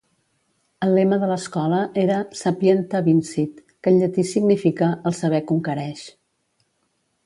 El lema de l'escola era "Sapienta vincit", que en llatí significa "el saber conquereix".